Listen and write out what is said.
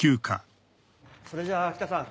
それじゃあ秋田さん